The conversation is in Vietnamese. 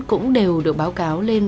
cũng đều được báo cáo lên